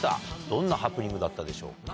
どんなハプニングだったでしょうか。